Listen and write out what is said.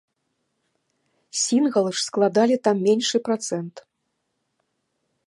Сінгалы ж складалі там меншы працэнт.